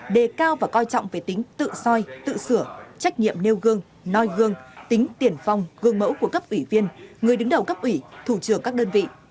đề cao và coi trọng về tính tự soi tự sửa trách nhiệm nêu gương noi gương tính tiền phong gương mẫu của cấp ủy viên người đứng đầu cấp ủy thủ trưởng các đơn vị